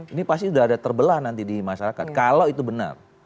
ini pasti sudah ada terbelah nanti di masyarakat kalau itu benar